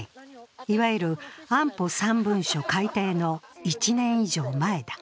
いわゆる安保３文書改定の１年以上前だ。